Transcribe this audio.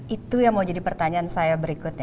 itu yang mau jadi pertanyaan saya berikutnya